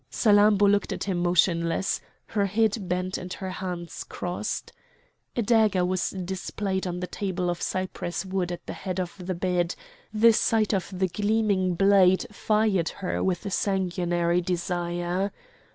Salammbô looked at him motionless, her head bent and her hands crossed. A dagger was displayed on the table of cypress wood at the head of the bed; the sight of the gleaming blade fired her with a sanguinary desire.